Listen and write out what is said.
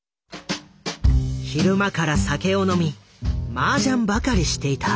昼間から酒を飲みマージャンばかりしていた。